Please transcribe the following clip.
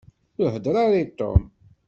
Ur heddeṛ ara i Tom.